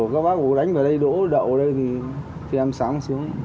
các bác bổ đánh vào đây đổ đậu ở đây thì em sáng xíu